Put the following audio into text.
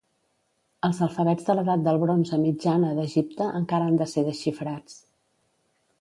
Els alfabets de l'edat del bronze mitjana d'Egipte encara han de ser desxifrats.